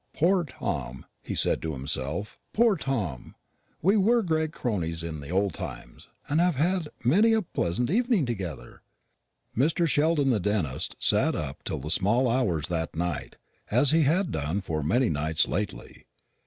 "Poor Tom," he said to himself, "poor Tom! We were great cronies in the old times, and have had many a pleasant evening together!" Mr. Sheldon the dentist sat up till the small hours that night, as he had done for many nights lately.